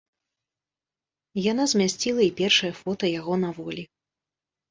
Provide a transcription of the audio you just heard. Яна змясціла і першае фота яго на волі.